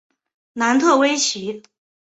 楠特威奇。